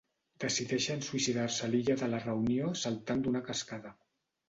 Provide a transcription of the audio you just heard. Decideixen suïcidar-se a l'Illa de la Reunió saltant d'una cascada.